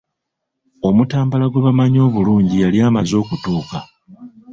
Omutambala gwe bamanyi obulungi yali amaze okutuuka.